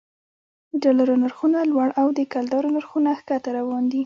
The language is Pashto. د ډالرو نرخونه لوړ او د کلدارو نرخونه ښکته روان دي